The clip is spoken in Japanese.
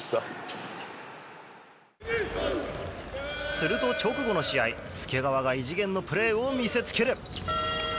すると直後の試合、介川が異次元のプレーを見せつける。